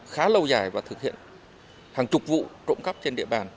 khá lâu dài và thực hiện hàng chục vụ trộm cắp trên địa bàn